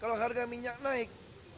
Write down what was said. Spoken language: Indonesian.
kalau harga minyak naik